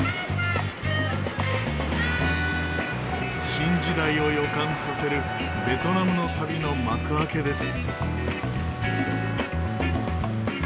新時代を予感させるベトナムの旅の幕開けです。